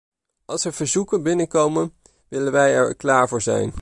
Als er verzoeken binnenkomen, willen wij er klaar voor zijn.